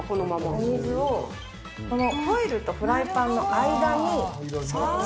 お水をこのホイルとフライパンの間に。